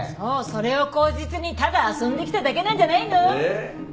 それを口実にただ遊んできただけなんじゃないの？